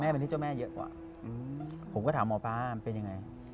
แม่เป็นที่เจ้าแม่เยอะกว่าผมก็ถามหมอป๊าเป็นยังไง